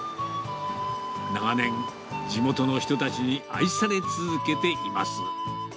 長年、地元の人たちに愛され続けています。